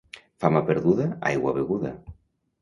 Fama perduda, aigua beguda.